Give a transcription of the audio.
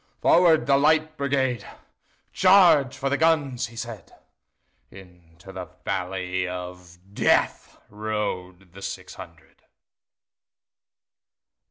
"Forward, the Light Brigade! Charge for the guns!" he said:Into the valley of DeathRode the six hundred.